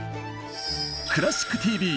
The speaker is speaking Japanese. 「クラシックＴＶ」